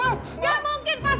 gak mungkin pak